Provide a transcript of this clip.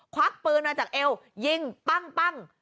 ควักปืนมาจากเอวยิงปั้ง